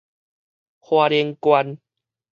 花蓮縣